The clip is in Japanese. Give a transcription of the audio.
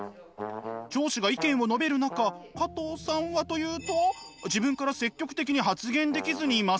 上司が意見を述べる中加藤さんはというと自分から積極的に発言できずにいます。